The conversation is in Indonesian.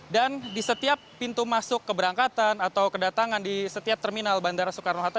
dan di setiap pintu masuk keberangkatan atau kedatangan di setiap terminal bandara soekarno hatta